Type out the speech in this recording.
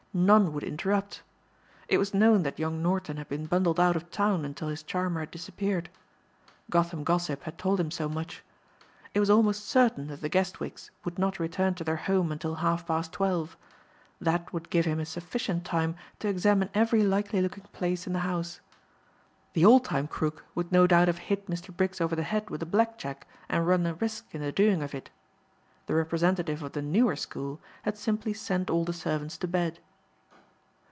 None would interrupt. It was known that young Norton had been bundled out of town until his charmer had disappeared. Gotham Gossip had told him so much. It was almost certain that the Guestwicks would not return to their home until half past twelve. That would give him a sufficient time to examine every likely looking place in the house. The old time crook would no doubt have hit Mr. Briggs over the head with a black jack and run a risk in the doing of it. The representative of the newer school had simply sent all the servants to bed.